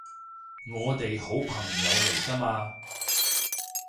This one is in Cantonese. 我哋好朋友嚟㗎嘛